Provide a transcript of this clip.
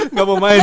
nggak mau main ya